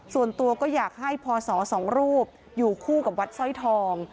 ส่วนตัวก็อยากให้พศสองรูปอยู่คู่กับวัดสร้อยทอง